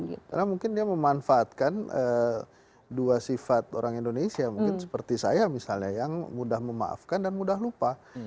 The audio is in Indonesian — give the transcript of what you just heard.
karena mungkin dia memanfaatkan dua sifat orang indonesia mungkin seperti saya misalnya yang mudah memaafkan dan mudah lupa